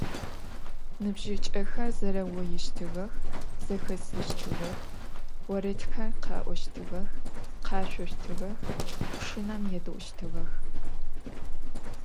Nıbjıç'exer zereuğoiştığex, zexesıştığex, voredxer kha'oştığex, khaşsoştığex, pşınem yêde'uştığex.